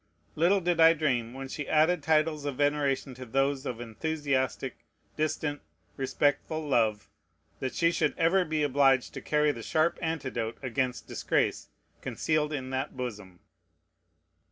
Little did I dream, when she added titles of veneration to those of enthusiastic, distant, respectful love, that she should ever be obliged to carry the sharp antidote against disgrace concealed in that bosom!